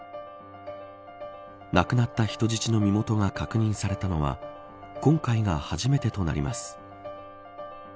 亡くなった人質の身元が確認されたのは今回が初めてとなります。